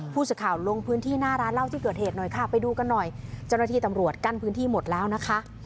ผู้สื่อข่าวลงพื้นที่หน้าร้านเหล้าที่เกิดเหตุหน่อยค่ะไปดูกันหน่อยเจ้าหน้าที่ตำรวจกั้นพื้นที่หมดแล้วนะคะ